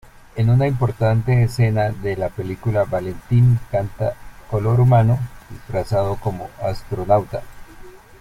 En una importante escena de la película Valentín canta "Color humano" disfrazado como astronauta.